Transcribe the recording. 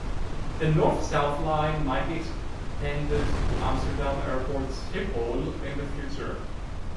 The North-South Line might be extended to Amsterdam Airport Schiphol in the future.